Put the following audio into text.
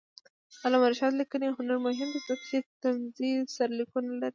د علامه رشاد لیکنی هنر مهم دی ځکه چې طنزي سرلیکونه لري.